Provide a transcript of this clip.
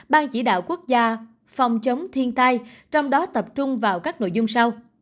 ban chỉ đạo quốc gia phòng chống thiên tai trong đó tập trung vào các nội dung sau